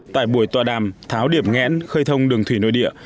tại buổi tòa đàm tháo điểm ngẽn khơi thông đường thủy nội địa